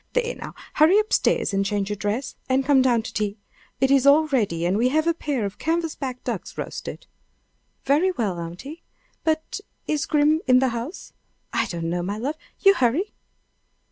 There, now; hurry up stairs and change your dress, and come down to tea. It is all ready, and we have a pair of canvasback ducks roasted." "Very well, aunty! But is Grim in the house?" "I don't know, my love. You hurry."